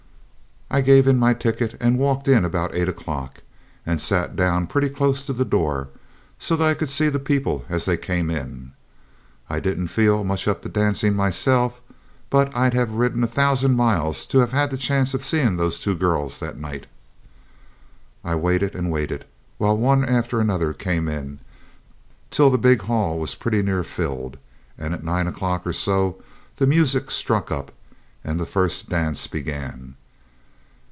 I gave in my ticket and walked in about eight o'clock, and sat down pretty close to the door so that I could see the people as they came in. I didn't feel much up to dancing myself, but I'd have ridden a thousand miles to have had the chance of seeing those two girls that night. I waited and waited while one after another came in, till the big hall was pretty near filled, and at nine o'clock or so the music struck up, and the first dance began.